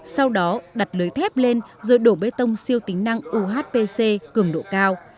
sau đó đặt lưới thép lên rồi đổ bê tông siêu tính năng uhpc cường độ cao